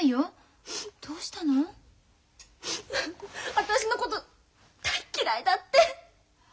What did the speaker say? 私のこと大っ嫌いだって！